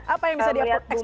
apa yang bisa dia protes